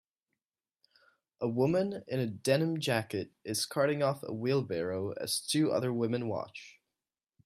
A woman in a denim jacket is carting off a wheelbarrow as two other women watch.